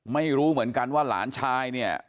ไม่รู้เหมือนกันว่าหลานชายเนี่ย